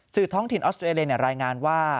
ท้องถิ่นออสเตรเลียรายงานว่า